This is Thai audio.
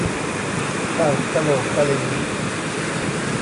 เก่ากะโหลกกะลี